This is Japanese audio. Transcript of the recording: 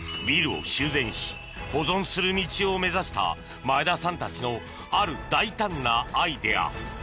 ビルを修繕し保存する道を目指した前田さんたちのある大胆なアイデア。